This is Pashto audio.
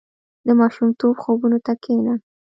• د ماشومتوب خوبونو ته کښېنه.